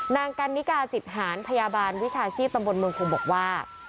นางกันนิกาจิตหารพยาบาลวิชาชีพตำบลเมืองคงบอกว่า